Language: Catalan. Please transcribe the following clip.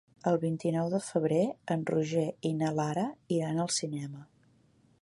El vint-i-nou de febrer en Roger i na Lara iran al cinema.